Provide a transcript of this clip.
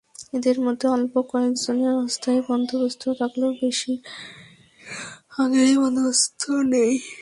এদের মধ্যে অল্প কয়েকজনের অস্থায়ী বন্দোবস্ত থাকলেও বেশির ভাগেরই বন্দোবস্ত নেই।